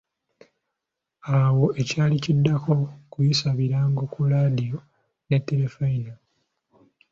Awo ekyali kiddako, kuyisa birango ku laadiyo ne terefayina.